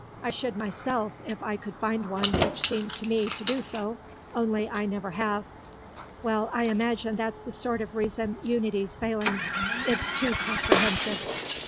I should myself, if I could find one which seemed to me to do so, only I never have.... Well, I imagine that's the sort of reason Unity's failing; it's too comprehensive."